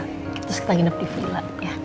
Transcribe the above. terus kita nginep di villa